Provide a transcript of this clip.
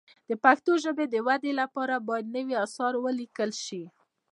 د پښتو ژبې د ودې لپاره باید نوي اثار ولیکل شي.